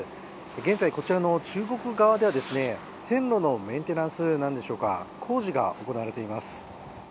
現在こちらの中国側では、線路のメンテナンスなんでしょうか、工事が行われています。